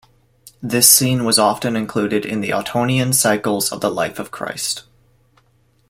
This scene was often included in Ottonian cycles of the Life of Christ.